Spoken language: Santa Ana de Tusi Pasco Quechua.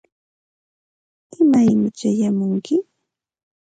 ¿imaymi chayamunki?